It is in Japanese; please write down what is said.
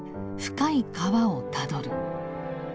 『深い河』をたどる」。